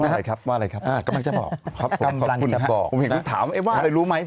ว่าอะไรครับว่าอะไรครับคุณครับผมเห็นคุณถามว่าอะไรรู้ไหม